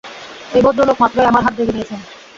এই ভদ্রলোক মাত্রই আমার হাত দেখে দিয়েছেন।